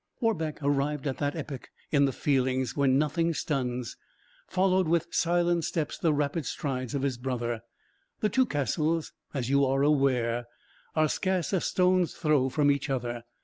Warbeck, arrived at that epoch in the feelings when nothing stuns, followed with silent steps the rapid strides of his brother. The two castles, as you are aware, are scarce a stone's throw from each other.